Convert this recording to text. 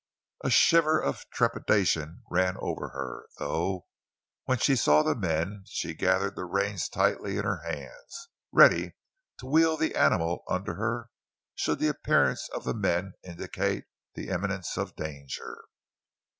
A shiver of trepidation ran over her, though, when she saw the men, and she gathered the reins tightly in her hands, ready to wheel the animal under her should the appearance of the men indicate the imminence of danger.